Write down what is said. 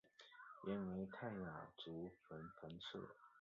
原为泰雅族芃芃社。